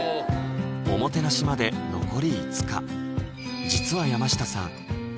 おもてなしまで残り５日実は山下さん